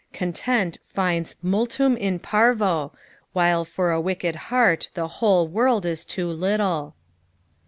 Content finds mutium in paraa, while for a wicked heart the whole worid is too little.